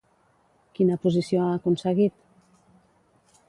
Quina posició ha aconseguit?